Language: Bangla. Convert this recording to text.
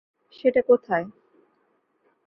সেটা কোথায়?